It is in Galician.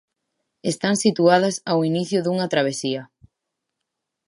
Están situadas ao inicio dunha travesía.